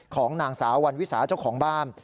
ของนางสาววันวิสาเจ้าของบ้าน